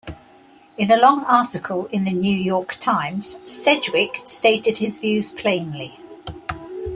In a long article in the New York Times, Sedgwick stated his views plainly.